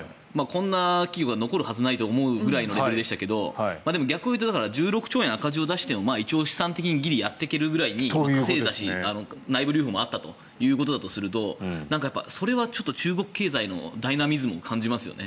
こんな企業が残るはずないと思うくらいのレベルでしたけどでも、逆を言うと１６兆円赤字を出しても資産的にギリやっていけるぐらいに稼いでいたし内部留保もあったということだとするとそれは中国経済のダイナミズムを感じますよね。